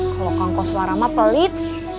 kalau kangkos warama pelit